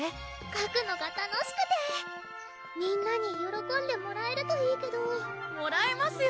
かくのが楽しくてみんなによろこんでもらえるといいけどもらえますよ！